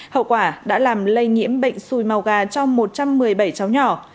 hậu quả đã làm lây nhiễm bệnh xùi màu gà trong một trăm một mươi bảy cháu nhỏ